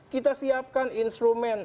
kita siapkan instrumen